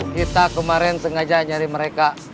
kita kemarin sengaja nyari mereka